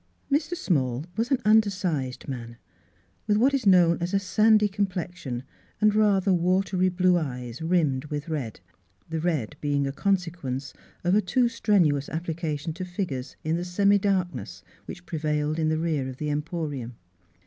Mr. Small was an undersized man, with what is known as a sandy complexion and rather watery blue eyes, rimmed with red — the red being a consequence of a too strenuous application to figures in the semi darkness which prevailed in the rear of the Emporium.